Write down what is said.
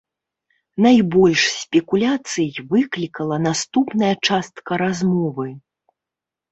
Найбольш спекуляцый выклікала наступная частка размовы.